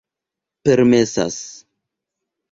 permesas